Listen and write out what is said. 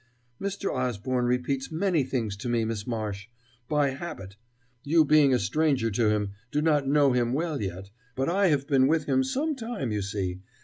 "Mr. Osborne repeats many things to me, Miss Marsh by habit. You being a stranger to him, do not know him well yet, but I have been with him some time, you see.